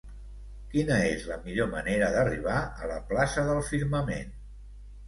Quina és la millor manera d'arribar a la plaça del Firmament?